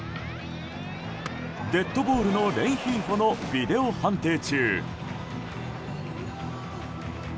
デッドボールのレンヒーフォのビデオ判定中。